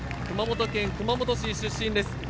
熊本県熊本市出身です。